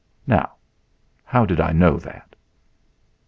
Now, how did I know that?